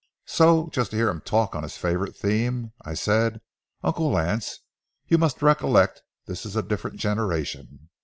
So, just to hear him talk on his favorite theme, I said: "Uncle Lance, you must recollect this is a different generation.